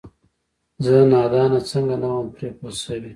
زه نادانه څنګه نه وم پرې پوه شوې؟!